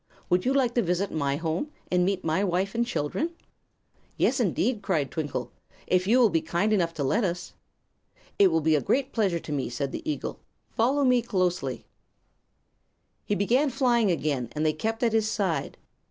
Would you like to visit my home, and meet my wife and children?" "Yes, indeed!" cried Twinkle; "if you will be kind enough to let us." "It will be a great pleasure to me," said the eagle. "Follow me closely, please." He began flying again, and they kept at his side.